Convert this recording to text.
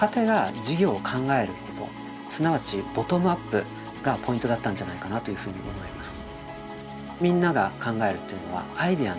すなわち「ボトムアップ」がポイントだったんじゃないかなというふうに思います。